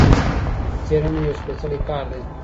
څېړنه یو سپیڅلی کار دی.